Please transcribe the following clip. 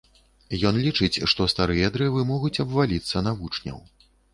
Ён лічыць, што старыя дрэвы могуць абваліцца на вучняў.